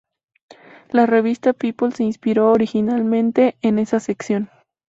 La revista People se inspiró originariamente en esa sección.